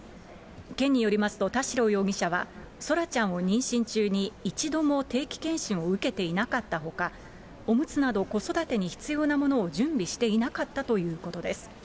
県によりますと、田代容疑者は、空来ちゃんを妊娠中に一度も定期健診を受けていなかったほか、おむつなど子育てに必要なものを準備していなかったということです。